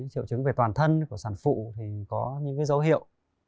chịu chứng về toàn thân của sản phụ thì có những cái dấu hiệu